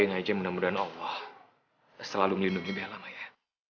kita doain aja mudah mudahan allah selalu melindungi bella maya